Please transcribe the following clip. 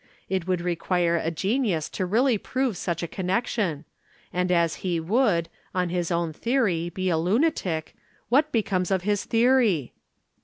It would require a genius to really prove such a connection, and as he would, on his own theory, be a lunatic, what becomes of his theory?"